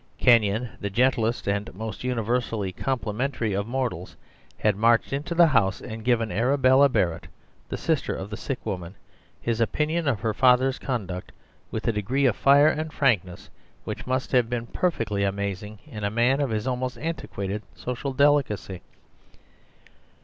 Kenyon, the gentlest and most universally complimentary of mortals, had marched into the house and given Arabella Barrett, the sister of the sick woman, his opinion of her father's conduct with a degree of fire and frankness which must have been perfectly amazing in a man of his almost antiquated social delicacy.